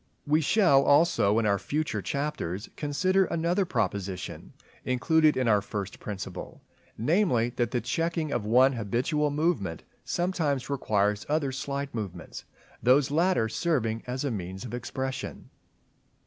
We shall, also, in our future chapters, consider another proposition included in our first Principle; namely, that the checking of one habitual movement sometimes requires other slight movements; these latter serving as a means of expression.